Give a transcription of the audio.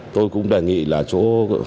tôi cũng đề nghị là chỗ